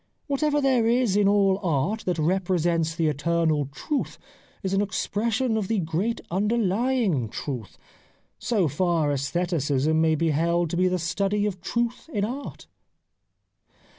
Whatever there is in all art that represents the eternal truth is an expression of the great underlying truth. So 194 The Life of Oscar Wilde far aestheticism may be held to be the study of truth in art.'